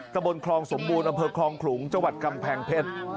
ตะบนคลองสมบูรณ์อำเภอคลองขลุงจังหวัดกำแพงเพชร